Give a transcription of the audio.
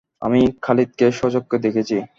আমি খালিদকে স্বচক্ষে দেখেছি।